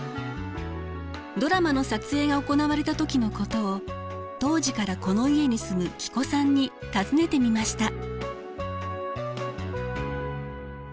ドラマの撮影が行われた時のことを当時からこの家に住む喜古さんに尋ねてみました。